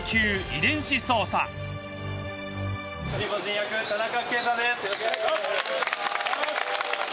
よろしくお願いします！